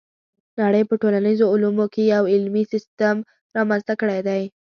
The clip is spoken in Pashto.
نړۍ په ټولنیزو علومو کې یو علمي سیستم رامنځته کړی دی.